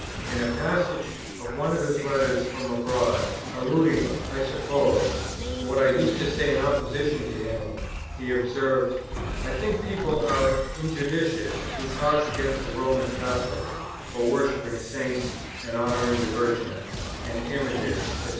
In a passage of one of his letters from abroad, alluding, I suppose, to what I used to say in opposition to him, he observes; "I think people are injudicious who talk against the Roman Catholics for worshipping Saints, and honouring the Virgin and images, &c.